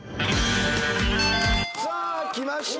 さあきました